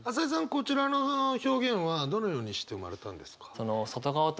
こちらの表現はどのようにして生まれたんですか？